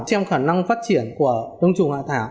xem khả năng phát triển của đông trùng hạ thảo